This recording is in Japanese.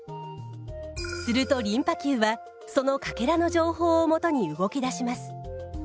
するとリンパ球はそのかけらの情報を基に動き出します。